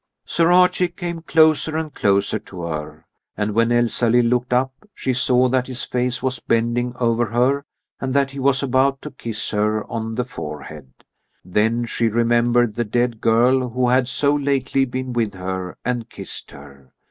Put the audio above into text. Sir Archie came closer and closer to her, and when Elsalill looked up she saw that his face was bending over her and that he was about to kiss her on the forehead. Then she remembered the dead girl who had so lately been with her and kissed her.